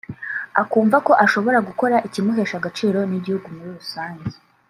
akumva ko ashobora gukora ikimuhesha agaciro n’igihugu muri rusange”